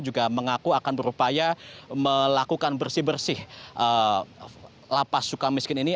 juga mengaku akan berupaya melakukan bersih bersih lapas suka miskin ini